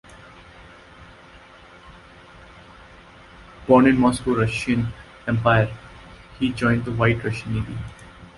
Born in Moscow, Russian Empire, he joined the White Russian Navy.